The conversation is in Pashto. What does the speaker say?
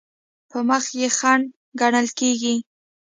په مخ کې خنډ ګڼل کیږي.